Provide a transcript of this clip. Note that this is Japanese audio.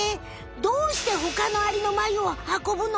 どうして他のアリのマユを運ぶの？